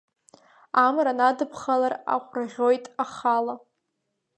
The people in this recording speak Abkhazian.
Амра надыԥхалар, Ахәра ӷьоит ахала.